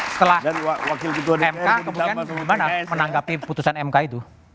setelah mk kemudian gimana menanggapi putusan mk itu